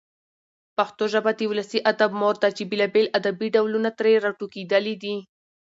پښتو ژبه د ولسي ادب مور ده چي بېلابېل ادبي ډولونه ترې راټوکېدلي دي.